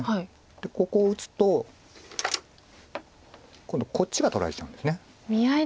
ここを打つと今度こっちが取られちゃうんです。